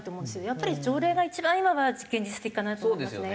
やっぱり条例が一番今は現実的かなと思いますね。